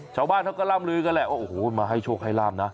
ชาวบ้านเขาก็ร่ำลืวกันแหละมาให้โชคไฮร่ำนะ